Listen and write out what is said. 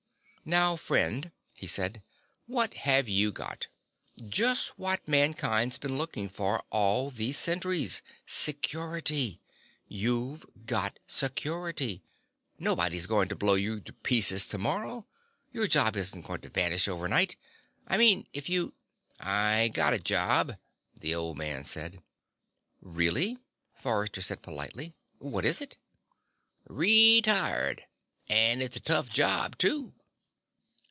"Now, friend," he said. "What have you got? Just what mankind's been looking for all these centuries. Security. You've got security. Nobody's going to blow you to pieces tomorrow. Your job isn't going to vanish overnight. I mean, if you " "I got a job," the old man said. "Really?" Forrester said politely. "What is it?" "Retired. And it's a tough job, too."